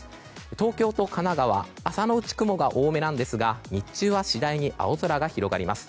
東京と神奈川、朝のうちは雲が多めなんですが日中は次第に青空が広がります。